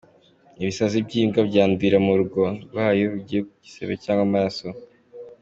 Ibisazi by’imbwa byandurira mu rukonda rwayo ruguye ku gisebe cyangwa amaraso.